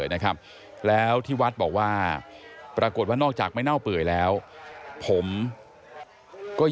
เขาก็แปลกใจกันนะคะว่ามันเจริญขึ้นได้ยังไง